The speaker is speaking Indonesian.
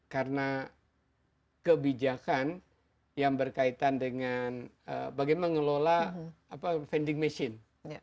karena kebijakan yang berkaitan dengan bagaimana mengelola vending machine